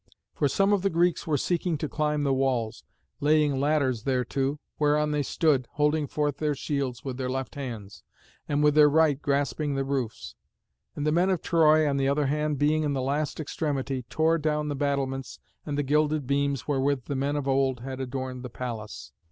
For some of the Greeks were seeking to climb the walls, laying ladders thereto, whereon they stood, holding forth their shields with their left hands, and with their right grasping the roofs. And the men of Troy, on the other hand, being in the last extremity, tore down the battlements and the gilded beams wherewith the men of old had adorned the palace.